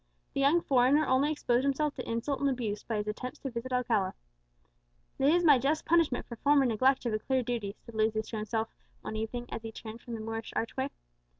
The young foreigner only exposed himself to insult and abuse by his attempts to visit Alcala. "This is my just punishment for former neglect of a clear duty," said Lucius to himself one evening, as he turned from the Moorish archway.